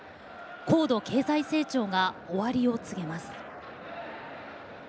高度経済成長が終わりを告げます。